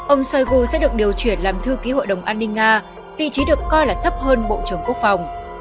ông shoigu sẽ được điều chuyển làm thư ký hội đồng an ninh nga vị trí được coi là thấp hơn bộ trưởng quốc phòng